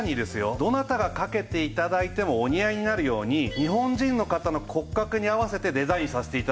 どなたがかけて頂いてもお似合いになるように日本人の方の骨格に合わせてデザインさせて頂いております。